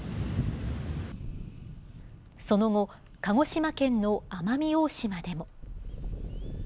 その後、鹿児島県の奄美大島でも。